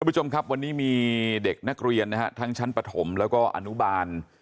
ผู้ชมครับวันนี้มีเด็กนักเรียนนะฮะทั้งชั้นปฐมแล้วก็อนุบาล